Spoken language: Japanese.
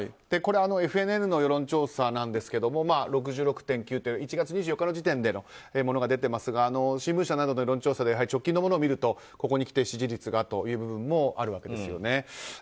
ＦＮＮの世論調査なんですけど６６．９という１月２４日時点のものが出ていますが新聞社などの世論調査を見ると直近のものを見るとここにきて支持率がという部分もあるわけですよね。